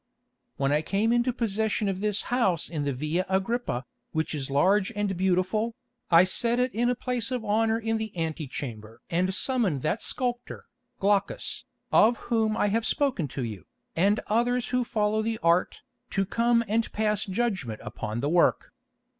"When I came into possession of this house in the Via Agrippa, which is large and beautiful, I set it in a place of honour in the antechamber and summoned that sculptor, Glaucus, of whom I have spoken to you, and others who follow the art, to come and pass judgment upon the work.